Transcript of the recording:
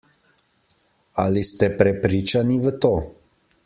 Ali ste prepričani v to?